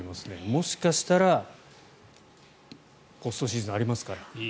もしかしたらポストシーズンありますから。